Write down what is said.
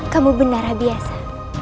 kamu benar abiasa